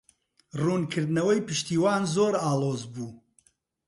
ڕوونکردنەوەی پشتیوان زۆر ئاڵۆز بوو.